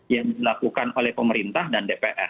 yang dilakukan oleh pemerintah dan dpr